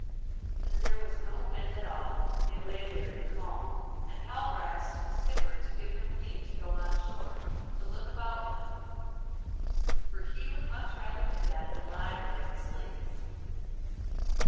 As there was no wind at all they lay there becalmed, and Halvor asked the skipper to give him leave to go on shore to look about him, for he would much rather do that than lie there and sleep.